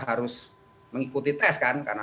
harus mengikuti tes kan